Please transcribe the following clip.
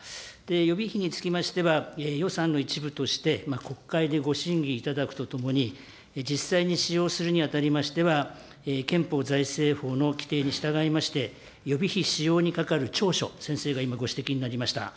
予備費につきましては、予算の一部として、国会でご審議いただくとともに、実際に使用するにあたりましては、憲法財政法の規定に従いまして、予備費使用にかかる調書、先生が今、ご指摘になりました。